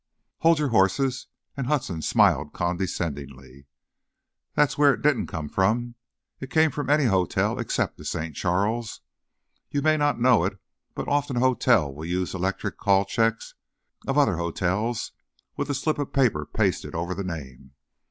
"Hold your horses!" and Hudson smiled condescendingly, "that's where it didn't come from! It came from any hotel except the St. Charles. You may not know it, but often a hotel will use electric call checks of other hotels, with a slip of paper pasted over the name.